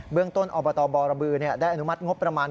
เรื่องต้นอบตบรบือได้อนุมัติงบประมาณ